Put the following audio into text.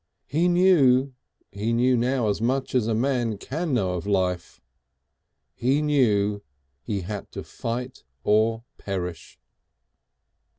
He knew he knew now as much as a man can know of life. He knew he had to fight or perish.